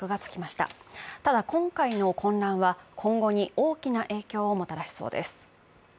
ただ、今回の混乱は今後に大きな影響をもたらしそうです。